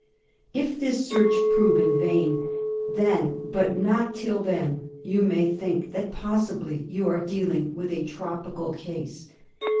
If this search prove in vain, then, but not till then, you may think that possibly you are dealing with a tropical case.